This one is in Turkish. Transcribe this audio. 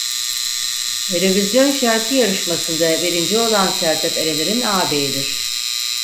Eurovision şarkı yarışmasında birinci olan Sertab Erener'in ağabeyidir.